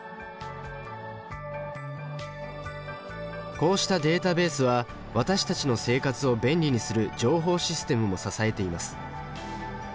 こうしたデータベースは私たちの生活を便利にする情報システムも支えています。